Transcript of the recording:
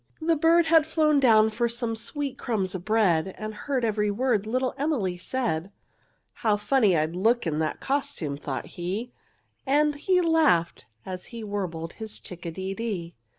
The bird had flown down for some sweet crumbs of bread, And heard every word little Emily said. "How funny I'd look in that costume!" thought he, And he laughed, as he warbled his chick a de dee.